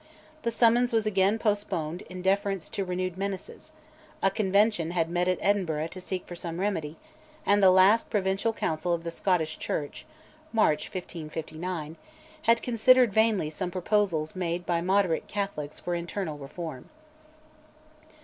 The summons was again postponed in deference to renewed menaces: a Convention had met at Edinburgh to seek for some remedy, and the last Provincial Council of the Scottish Church (March 1559) had considered vainly some proposals by moderate Catholics for internal reform.